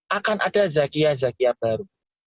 akan ada zakia zakia baru